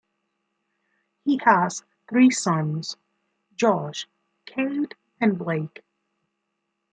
He has three sons: Josh, Cade and Blake.